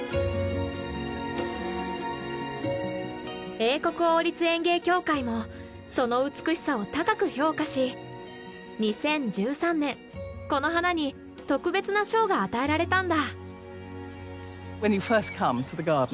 英国王立園芸協会もその美しさを高く評価し２０１３年この花に特別な賞が与えられたんだ。